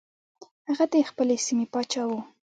هغه د خپلې سیمې پاچا و.